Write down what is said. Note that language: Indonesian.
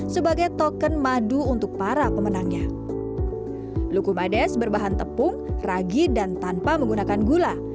sebagai token madu untuk para pemenangnya lukumades berbahan tepung ragi dan tanpa menggunakan gula